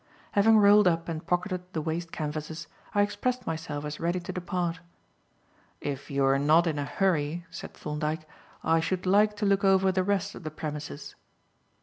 Having rolled up and pocketed the waste canvases, I expressed myself as ready to depart. "If you're not in a hurry," said Thorndyke, "I should like to look over the rest of the premises."